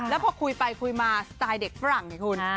แล้วพอคุยไปคุยมาสไตล์เด็กฝรั่งไงคุณ